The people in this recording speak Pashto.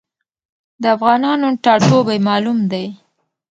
د افغانانو ټاټوبی معلوم دی.